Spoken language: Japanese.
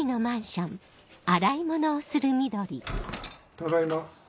ただいま。